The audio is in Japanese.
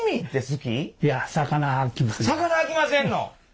魚あきませんの？